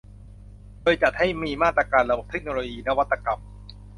โดยจัดให้มีมาตรการระบบเทคโนโลยีนวัตกรรม